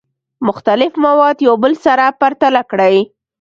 مختلف مواد یو بل سره پرتله کړئ.